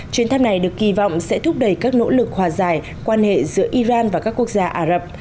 chuyến thăm này được kỳ vọng sẽ thúc đẩy các nỗ lực hòa giải quan hệ giữa iran và các quốc gia ả rập